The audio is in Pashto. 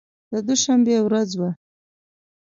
د دوشنبې ورځ وه.